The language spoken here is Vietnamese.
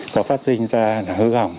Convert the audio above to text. có phát sinh ra hư hỏng